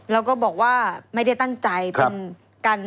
แล้วก็บอกว่าไม่ได้ตั้งใจเป็นการ